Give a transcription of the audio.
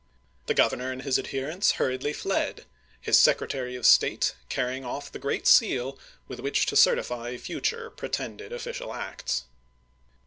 The Governor and his adherents hurriedly fled, his Secretary of State carrying off the great seal with which to certify future pretended official acts.